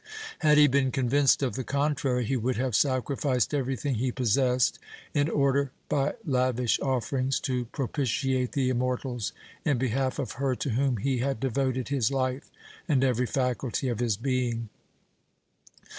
Had he been convinced of the contrary, he would have sacrificed everything he possessed in order, by lavish offerings, to propitiate the immortals in behalf of her to whom he had devoted his life and every faculty of his being.